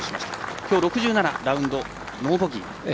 きょう、６７ラウンド、ノーボギー。